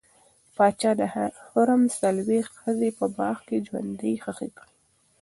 پاچا د حرم څلوېښت ښځې په باغ کې ژوندۍ ښخې کړې.